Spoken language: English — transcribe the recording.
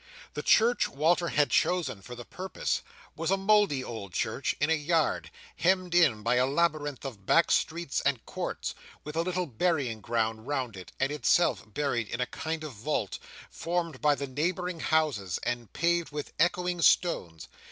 The church Walter had chosen for the purpose, was a mouldy old church in a yard, hemmed in by a labyrinth of back streets and courts, with a little burying ground round it, and itself buried in a kind of vault, formed by the neighbouring houses, and paved with echoing stones.